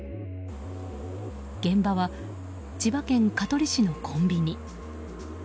現場は千葉県香取市のコンビニ。